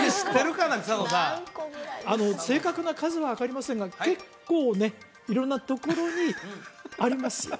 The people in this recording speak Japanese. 正確な数は分かりませんが結構ね色んなところにありますよ